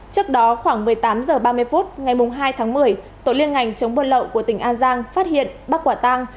trước đó khoảng một mươi tám h ba mươi phút ngày hai tháng một mươi tổ liên ngành chống buôn lậu của tỉnh an giang phát hiện bắt quả tăng